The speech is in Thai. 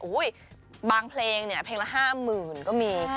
บางเพลงเนี่ยเพลงละ๕๐๐๐ก็มี